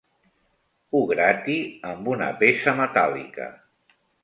Ho grati amb una peça metàl·lica.